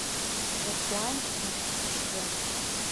Қьаҭуан, ахьӡ-ԥша…